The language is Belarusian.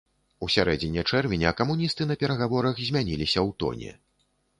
У сярэдзіне чэрвеня камуністы на перагаворах змяніліся ў тоне.